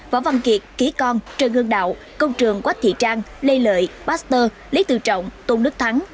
võ văn kiệt ký con trần hương đạo công trường quách thị trang lê lợi baxter lý từ trọng tôn đức thắng